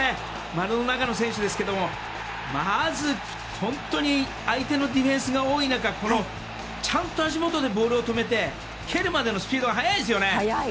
丸の中の選手ですがまず本当に相手のディフェンスが多い中、ちゃんと足元でボールを止めて蹴るまでのスピードが速いですよね。